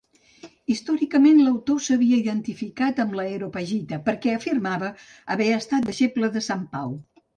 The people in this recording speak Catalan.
Històricament l'autor s'havia identificat amb l'Areopagita perquè afirma haver estat deixeble de Sant Pau.